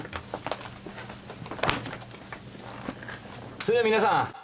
それじゃ皆さん。